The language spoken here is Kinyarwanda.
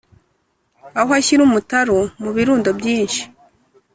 aho ashyira umutaru mubirundo byinshi,